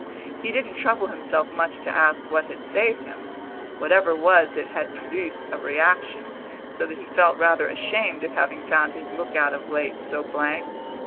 He didn't trouble himself much to ask what had saved him; whatever it was it had produced a reaction, so that he felt rather ashamed of having found his look out of late so blank.